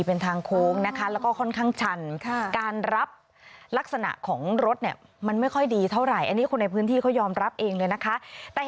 เป็นทางโค้งนะคะแล้วก็ค่อนข้างชันนะคะ